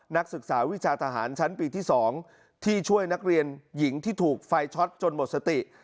นักศึกษาวิชาทหารชั้นปีที่๒ที่ช่วยนักเรียนหญิงที่ถูกไฟช็อตจนหมดสติ